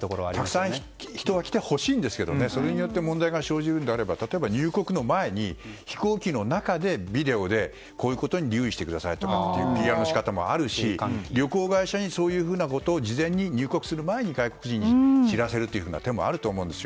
たくさん人は来てほしいんですがそれで問題が生じるのであれば例えば入国の前に飛行機の中でビデオでこういうことに留意してくださいというＰＲの仕方もあるし旅行会社にそういうことを事前に、入国する前に外国人に知らせるという手もあると思うんです。